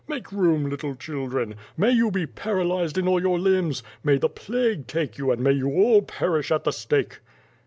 Make room little children! May you be paralyzed in all your limbs! May the plague take you and may you all perish ait the stake!"